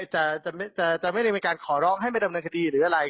จะไม่ได้มีการขอร้องให้ไม่ดำเนินคดีหรืออะไร